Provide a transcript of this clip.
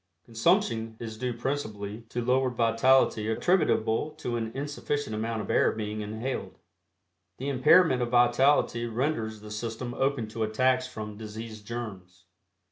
Consumption is due principally to lowered vitality attributable to an insufficient amount of air being inhaled. The impairment of vitality renders the system open to attacks from disease germs.